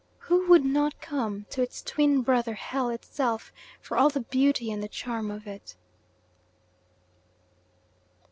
who would not come to its twin brother hell itself for all the beauty and the charm of it!